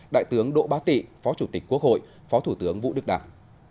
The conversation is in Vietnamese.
đại tướng đỗ bá tị phó chủ tịch quốc hội phó thủ tướng vũ đức đảng